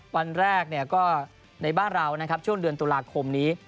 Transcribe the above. วันแรกในบ้านเราช่วงเดือนตุลาคมนี้